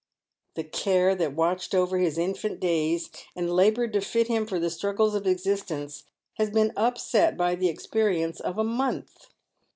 The care that watched over his infant days and laboured to fit him for the struggles of existence has been upset by the experience of a month.